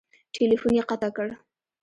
ټیلیفون یې قطع کړ !